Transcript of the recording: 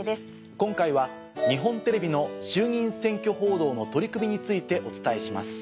今回は日本テレビの衆議院選挙報道の取り組みについてお伝えします。